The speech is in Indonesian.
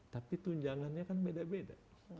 tapi tunjangannya kan beda beda